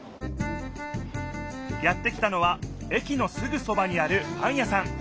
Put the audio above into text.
やって来たのは駅のすぐそばにあるパン屋さん